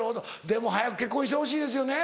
でも早く結婚してほしいですよね